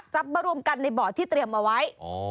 มารวมกันในบ่อที่เตรียมเอาไว้